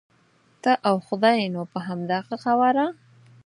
ته او خدای نو په همدغه قواره.